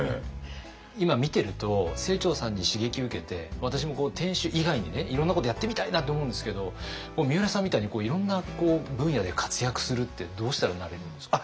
今見てると清張さんに刺激受けて私も店主以外にいろんなことやってみたいなって思うんですけどみうらさんみたいにいろんな分野で活躍するってどうしたらなれるんですか？